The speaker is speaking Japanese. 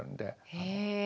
へえ！